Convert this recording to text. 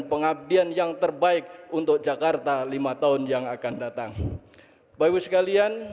kepada saya saya berharap ada pertemuan ada tautan antara hati pikiran kegagasan mimpi dan keinginan